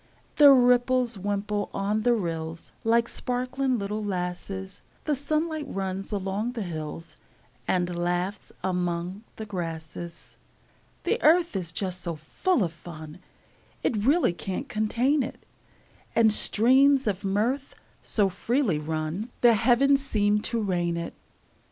The ripples wimple on the rills, Like sparkling little lasses; The sunlight runs along the hills, And laughs among the grasses. The earth is just so full of fun It really can't contain it; And streams of mirth so freely run The heavens seem to rain it.